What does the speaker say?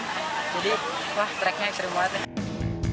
jadi wah treknya ekstrim banget